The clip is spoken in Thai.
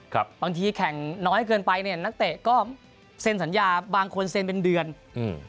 ครับบางทีแข่งน้อยเกินไปเนี้ยนักเตะก็เซ็นสัญญาบางคนเซ็นเป็นเดือนอืม